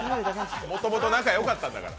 もともと仲良かったんだから。